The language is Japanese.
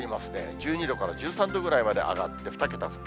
１２度から１３度くらいまで上がって、２桁復活。